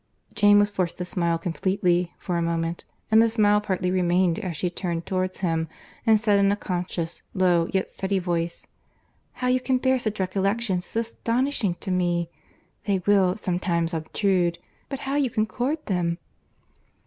Jane was forced to smile completely, for a moment; and the smile partly remained as she turned towards him, and said in a conscious, low, yet steady voice, "How you can bear such recollections, is astonishing to me!—They will sometimes obtrude—but how you can court them!"